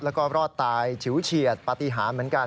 แล้วก็รอดตายฉิวเฉียดปฏิหารเหมือนกัน